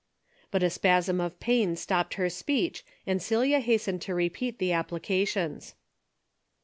But a spasm of pain stopped her speech, and Celia hastened to repeat the applications.